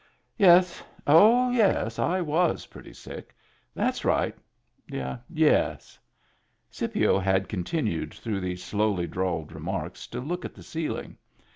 "Yes. Oh, yes. I was pretty sick. That's right Yes." Scipio had continued through these slowly drawled remarks to look at the ceiling.